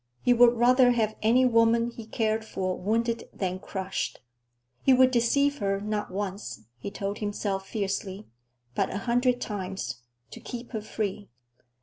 He would rather have any woman he cared for wounded than crushed. He would deceive her not once, he told himself fiercely, but a hundred times, to keep her free.